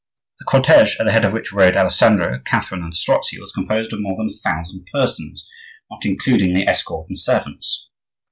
The cortege, at the head of which rode Alessandro, Catherine, and Strozzi, was composed of more than a thousand persons, not including the escort and servants.